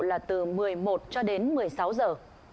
là từ một mươi một cho đến một mươi sáu giờ